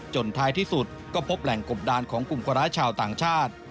ท้ายที่สุดก็พบแหล่งกบดานของกลุ่มคนร้ายชาวต่างชาติ